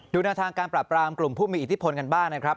แนวทางการปราบรามกลุ่มผู้มีอิทธิพลกันบ้างนะครับ